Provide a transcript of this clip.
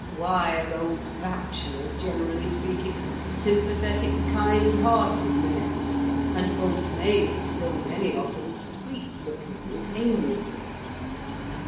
Why are old bachelors, generally speaking, sympathetic, kind hearted men; and old maids, so many of them, sweet looking and amiable?"